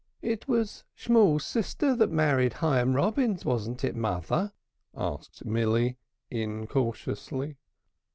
"It was Shmool's sister that married Hyam Robins, wasn't it, mother?" asked Milly, incautiously.